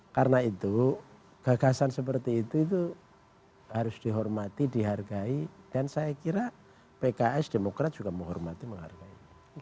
karena itu gagasan seperti itu harus dihormati dihargai dan saya kira pks demokrat juga menghormati menghargai